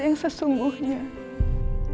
bagaimana caranya bersabar